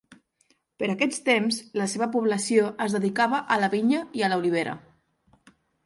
Per aquests temps la seva població es dedicava a la vinya i a l'olivera.